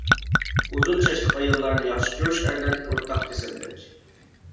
ئۇزۇن چاچلىق ئاياللارنى ياخشى كۆرۈش ئەرلەردىكى ئورتاق كېسەللىك.